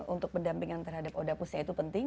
untuk pendampingan terhadap oda pus itu penting